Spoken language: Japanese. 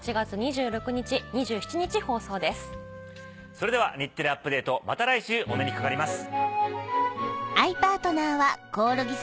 それでは『日テレアップＤａｔｅ！』また来週お目にかかります。